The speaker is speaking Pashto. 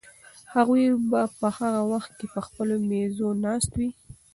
هغوی به په هغه وخت کې په خپلو مېزو ناست وي.